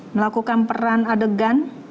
melakukan peran adegan